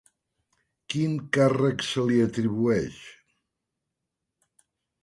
Quin càrrec se li atribueix?